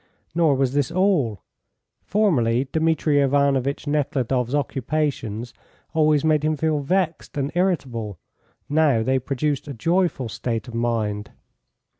Nor was this all. Formerly Dmitri Ivanovitch Nekhludoff's occupations always made him feel vexed and irritable; now they produced a joyful state of mind.